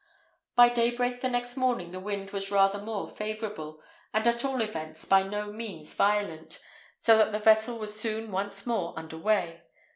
By daybreak the next morning the wind was rather more favourable, and at all events by no means violent, so that the vessel was soon once more under way.